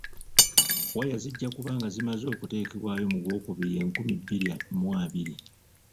Waya zijja kuba nga zimaze okuteekebwayo mu gwokubiri enkumi bbiri mu abairi.